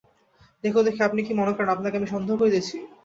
দেখুন দেখি, আপনি কি মনে করেন আপনাকে আমি সন্দেহ করিতেছি?